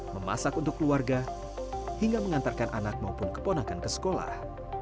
memasak untuk keluarga hingga mengantarkan anak maupun keponakan ke sekolah